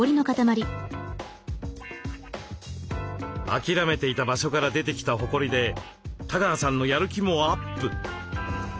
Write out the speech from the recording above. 諦めていた場所から出てきたほこりで多川さんのやる気もアップ！